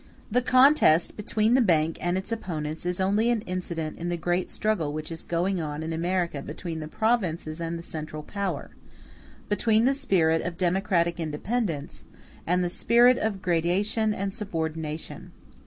The contest between the bank and its opponents is only an incident in the great struggle which is going on in America between the provinces and the central power; between the spirit of democratic independence and the spirit of gradation and subordination.